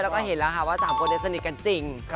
เราก็เห็นแล้วนะคะว่า๓คนสนิทกันจริง